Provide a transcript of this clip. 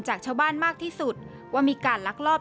จากชาวบ้านมากที่สุดว่ามีการลักลอบ